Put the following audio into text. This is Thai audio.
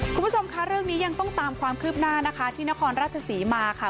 คุณผู้ชมคะเรื่องนี้ยังต้องตามความคืบหน้านะคะที่นครราชศรีมาค่ะ